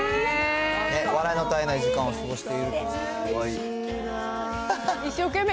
笑いの絶えない時間を過ごしていると。